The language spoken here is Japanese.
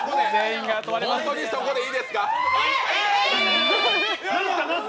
本当にそこでいいですか？